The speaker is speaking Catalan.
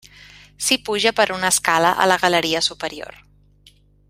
S'hi puja per una escala a la galeria superior.